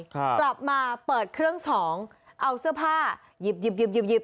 กลับมาเปิดเครื่อง๒เอาเสื้อผ้าหยิบ